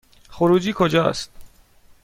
خروجی کجاست؟